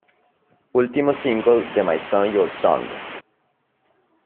Último single de My Song Your Song.